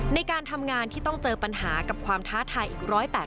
ในการทำงานที่ต้องเจอปัญหากับความท้าทายอีก๑๘๐